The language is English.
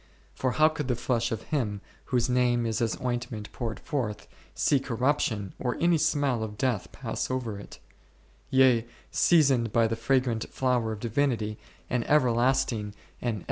For how could the flesh of Him whose name is as ointment poured forth, see corrup tion or any smell of death pass over it ; yea, seasoned by the fragrant flower of Divinity, an everlasting and ,u Exod.